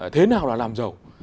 thế nào là làm giàu